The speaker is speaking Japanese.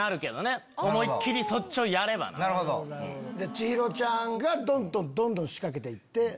千尋ちゃんがどんどん仕掛けていって。